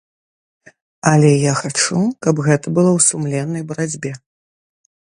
Але я хачу, каб гэта было ў сумленнай барацьбе.